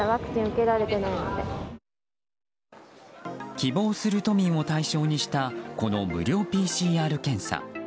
希望する都民を対象にしたこの無料ＰＣＲ検査。